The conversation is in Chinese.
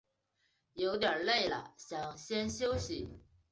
有点累了想先休息